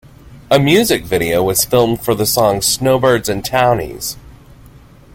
A music video was filmed for the song Snowbirds and Townies.